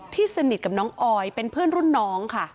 สนิทกับน้องออยเป็นเพื่อนรุ่นน้องค่ะ